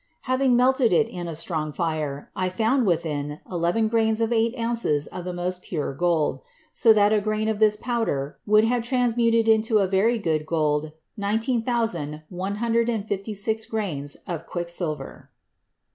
Having melted it in a strong fire, I found within eleven grains of eight ounces of the most pure gold, so that a grain of this powder would have trans muted into very good gold nineteen thousand one hundred and fifty six grains of quicksilver."